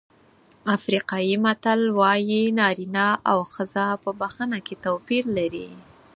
افریقایي متل وایي نارینه او ښځه په بښنه کې توپیر لري.